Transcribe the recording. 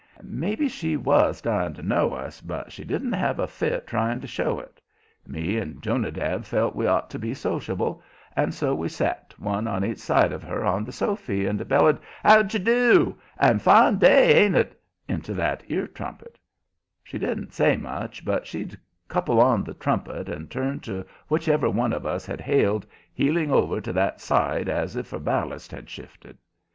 Maybe she was "dying to know us," but she didn't have a fit trying to show it. Me and Jonadab felt we'd ought to be sociable, and so we set, one on each side of her on the sofy, and bellered: "How d'ye do?" and "Fine day, ain't it?" into that ear trumpet. She didn't say much, but she'd couple on the trumpet and turn to whichever one of us had hailed, heeling over to that side as if her ballast had shifted.